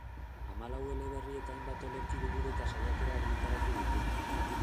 Hamalau eleberri eta hainbat olerki liburu eta saiakera argitaratu ditu.